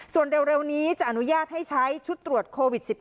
ส่วนเร็วนี้จะอนุญาตให้ใช้ชุดตรวจโควิด๑๙